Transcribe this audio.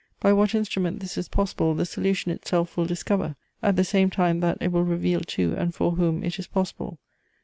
By what instrument this is possible the solution itself will discover, at the same time that it will reveal to and for whom it is possible.